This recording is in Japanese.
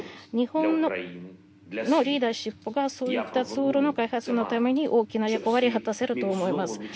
日本のリーダーシップがそういったツールの開発のために大きな役割を果たせると思います。